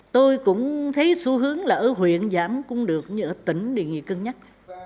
tôi cũng thấy xu hướng là ở huyện giảm cũng được như ở tỉnh đề nghị cân nhắc